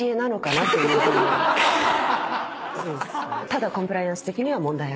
ただ。